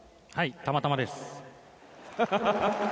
たまたまです。